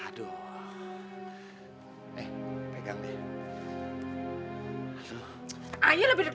kau bukan yang benar pak